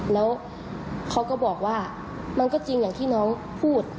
แล้วเขาก็บอกว่ามันก็จริงอย่างที่น้องพูด